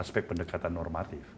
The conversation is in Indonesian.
aspek pendekatan normatif